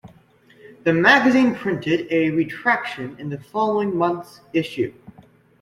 The magazine printed a retraction in the following month's issue.